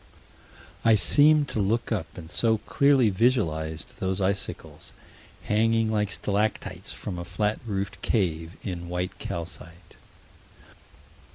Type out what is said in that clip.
I seemed to look up and so clearly visualized those icicles hanging like stalactites from a flat roofed cave, in white calcite.